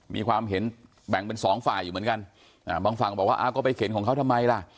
มีความเห็นแบ่งเป็นสองฝ่ายอยู่เหมือนกันบางฝั่งบอกว่าอ้าวก็ไปเข็นของเขาทำไมล่ะ